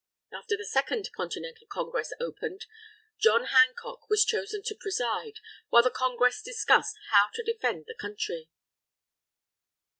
After the Second Continental Congress opened, John Hancock was chosen to preside, while the Congress discussed how to defend the Country.